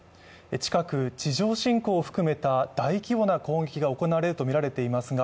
近く地上侵攻を含めた大規模な攻撃が行われるとみられていますが